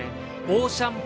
オーシャン！